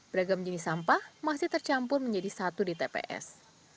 beragam jenis sampah masih tercampur menjadi satu di tps